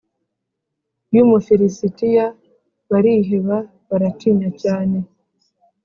y’Umufilisitiya bariheba, baratinya cyane.